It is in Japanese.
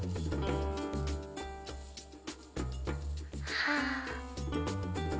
はあ。